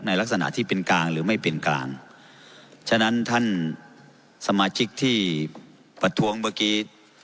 ลักษณะที่เป็นกลางหรือไม่เป็นกลางฉะนั้นท่านสมาชิกที่ประท้วงเมื่อกี้